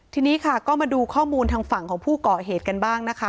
ทีนี้ค่ะก็มาดูข้อมูลทางฝั่งของผู้เกาะเหตุกันบ้างนะคะ